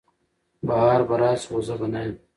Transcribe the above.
بهار به راسي خو زه به نه یم